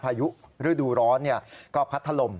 พายุฤดูร้อนก็พัดถล่ม